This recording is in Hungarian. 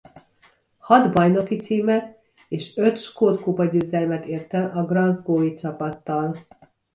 Hat bajnoki címet és öt skót kupa győzelmet ért el a glasgowi csapattal.